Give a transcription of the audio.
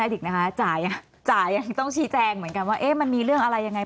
อีกนะคะจ่ายังต้องชี้แจงเหมือนกันว่ามันมีเรื่องอะไรยังไง